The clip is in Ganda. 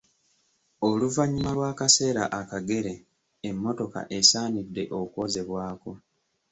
Oluvannyuma lw’akaseera akagere emmotoka esaanidde okwozebwako.